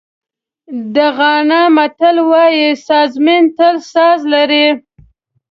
د غانا متل وایي سازمېن تل ساز لري.